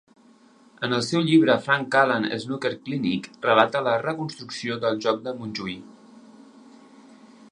En el seu llibre "Frank Callan's Snooker Clinic" relata la reconstrucció del joc de Mountjoy.